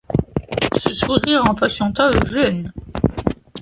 Ce sourire impatienta Eugène.